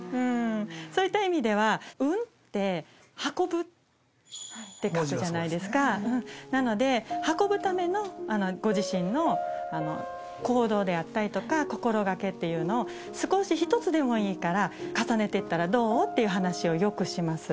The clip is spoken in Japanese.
そういった意味では「運」って「運ぶ」って書くじゃないですかなので運ぶためのご自身の行動であったりとか心掛けというのを１つでもいいから重ねていったらどう？という話をよくします